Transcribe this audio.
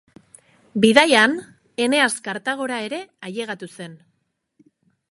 Bidaian, Eneas Kartagora ere ailegatu zen.